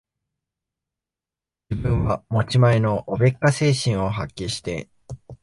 自分は持ち前のおべっか精神を発揮して、